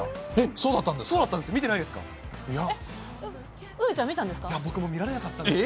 そうだったんですか？